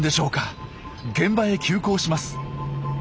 現場へ急行します。